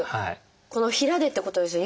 この平でってことですよね。